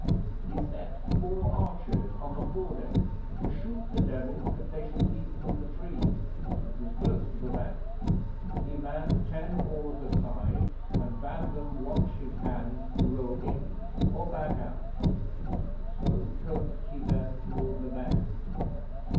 He set four archers on the foredeck to shoot the Devils if they should leap from the tree, which was close to the bank. He manned ten oars a side, and bade them watch his hand to row in or back out, and so coaxed he them toward the bank.